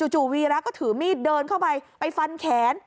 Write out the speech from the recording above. จู่วีระก็ถือมีดเดินเข้าไปไปฟันแขน